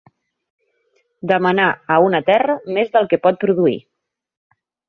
Demanar a una terra més del que pot produir.